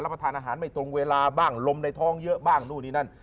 ประทานอาหารไม่ตรงเวลาบ้างลมในท้องเยอะบ้างนู่นนี่นั่น